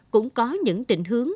cũng có những định hướng